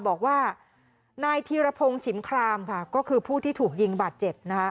บอกว่านายธีรพงศ์ฉิมครามค่ะก็คือผู้ที่ถูกยิงบาดเจ็บนะคะ